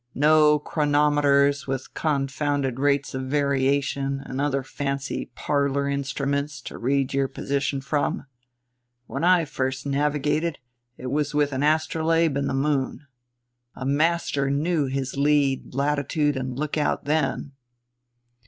No chronometers with confounded rates of variation and other fancy parlor instruments to read your position from. When I first navigated it was with an astrolabe and the moon. A master knew his lead, latitude and lookout then.